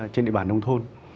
trên địa bàn nông thôn